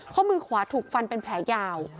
ข้อมือขวาถูกฟันเป็นแผลยาว